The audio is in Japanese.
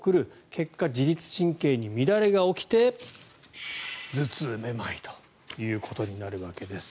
結果、自律神経に乱れが起きて頭痛、めまいということになるわけです。